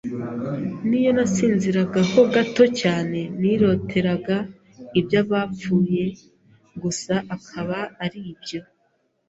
n’iyo nasinziraga ho gato cyane niroteraga iby’abapfuye gusa akaba ari byo